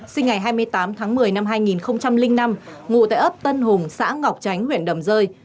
sinh ngày hai mươi tám tháng một mươi năm hai nghìn năm ngụ tại ấp tân hùng xã ngọc chánh huyện đầm rơi